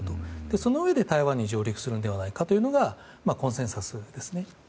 そのうえで台湾に上陸するのではないかというのがコンセンサスですよね。